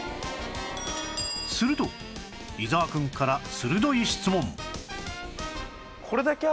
すると伊沢くんから鋭い質問